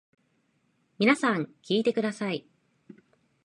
皆さん聞いてください。